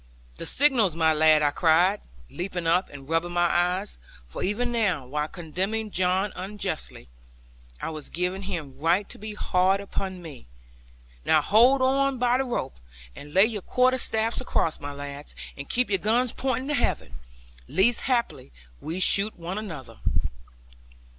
'The signal, my lads,' I cried, leaping up and rubbing my eyes; for even now, while condemning John unjustly, I was giving him right to be hard upon me. 'Now hold on by the rope, and lay your quarter staffs across, my lads; and keep your guns pointing to heaven, lest haply we shoot one another.'